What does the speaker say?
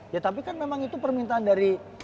ya tapi kan memang itu permintaan dari